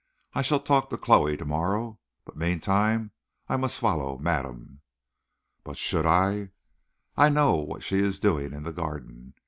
I shall talk to Chloe to morrow. But, meantime, I must follow madame. But should I? I know what she is doing in the garden.